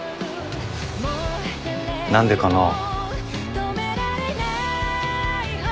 何でかなぁ。